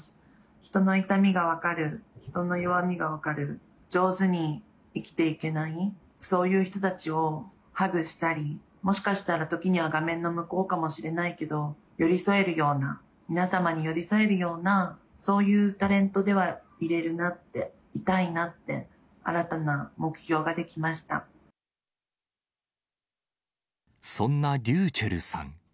人の痛みが分かる、人の弱みが分かる、上手に生きていけない、そういう人たちをハグしたり、もしかしたら時には画面の向こうかもしれないけど、寄り添えるような、皆様に寄り添えるような、そういうタレントではいれるなって、いたいなって、そんなｒｙｕｃｈｅｌｌさん。